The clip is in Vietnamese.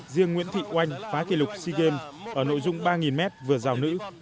riêng nguyễn thị oanh phá kỷ lục sea games ở nội dung ba m vừa rào nữ